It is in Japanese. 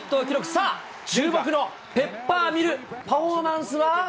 さあ、注目のペッパーミルパフォーマンスは？